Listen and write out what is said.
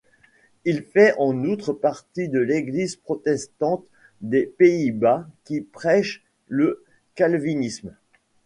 Il fait en outre partie de l'Église protestante des Pays-Bas, qui prêche le calvinisme.